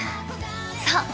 そう。